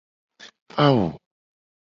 Awo.